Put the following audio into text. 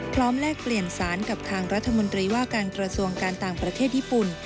แลกเปลี่ยนสารกับทางรัฐมนตรีว่าการกระทรวงการต่างประเทศญี่ปุ่น